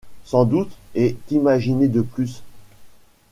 Sans doute, et qu’imaginer de plus ?...